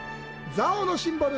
蔵王のシンボル